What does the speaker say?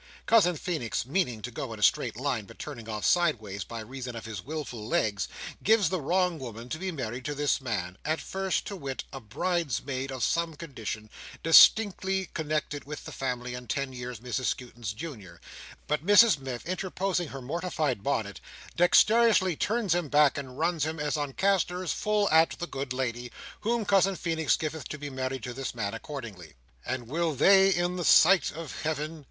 Cousin Feenix, meaning to go in a straight line, but turning off sideways by reason of his wilful legs, gives the wrong woman to be married to this man, at first—to wit, a brides—maid of some condition, distantly connected with the family, and ten years Mrs Skewton's junior —but Mrs Miff, interposing her mortified bonnet, dexterously turns him back, and runs him, as on castors, full at the "good lady:" whom Cousin Feenix giveth to married to this man accordingly. And will they in the sight of heaven—?